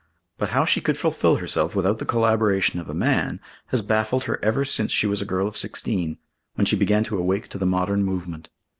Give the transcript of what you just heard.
But how she could fulfil herself without the collaboration of a man, has baffled her ever since she was a girl of sixteen, when she began to awake to the modern movement.